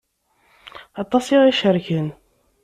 Aṭas ay aɣ-icerken.